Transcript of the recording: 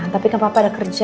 tapi kan papa ada kerja